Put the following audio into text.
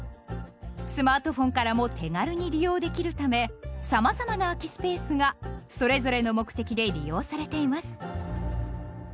スマートフォンからも手軽に利用できるためさまざまな空きスペースがそれぞれの目的で利用されています。